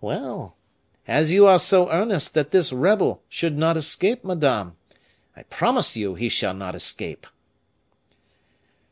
"Well, as you are so earnest that this rebel should not escape, madame, I promise you he shall not escape."